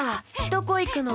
どこいくの？